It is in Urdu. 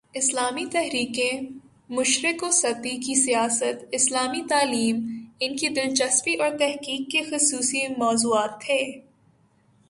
اسلامی تحریکیں، مشرق وسطی کی سیاست، اسلامی تعلیم، ان کی دلچسپی اور تحقیق کے خصوصی موضوعات تھے۔